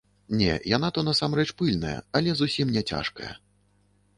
Не, яна то, насамрэч, пыльная, але зусім не цяжкая.